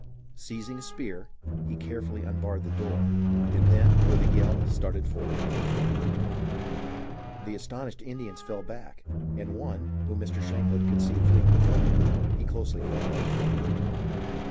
Seizing a spear, he carefully unbarred the door, and then, with a yell, started forth. The astonished Indians fell back, and one, whom Mr. Shankland could see fleeing before him, he closely followed.